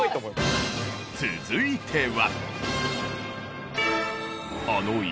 続いては。